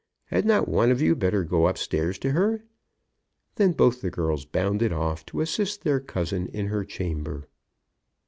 Had not one of you better go up stairs to her?" Then both the girls bounded off to assist their cousin in her chamber.